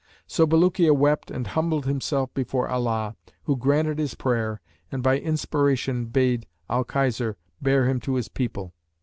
So Bulukiya wept and humbled himself before Allah who granted his prayer, and by inspiration bade Al Khizr bear him to his people.